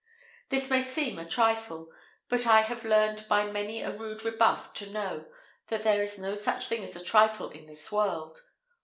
This may seem a trifle; but I have learned by many a rude rebuff to know, that there is no such thing as a trifle in this world.